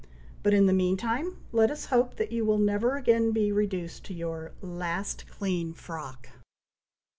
But in the meantime let us hope that you will never again be reduced to your "LAST CLEAN FROCK."